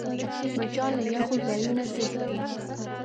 مچان له یخو ځایونو تښتي